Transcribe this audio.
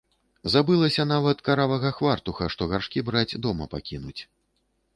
Забылася нават каравага хвартуха, што гаршкі браць, дома пакінуць.